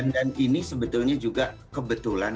dan ini sebetulnya juga kebetulan